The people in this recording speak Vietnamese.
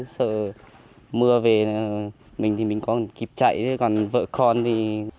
sợ mưa về mình thì mình còn kịp chạy còn vợ con thì